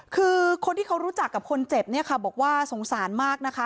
คือคนที่เขารู้จักกับคนเจ็บเนี่ยค่ะบอกว่าสงสารมากนะคะ